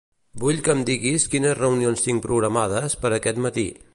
Vull que em diguis quines reunions tinc programades per aquest matí.